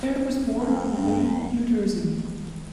Dare was born in Wayne, New Jersey.